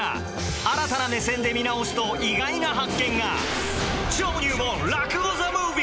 新たな目線で見直すと意外な発見が！